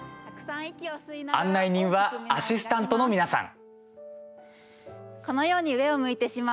案内人はアシスタントの皆さん。